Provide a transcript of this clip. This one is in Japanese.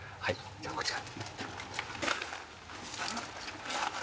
じゃあこちら。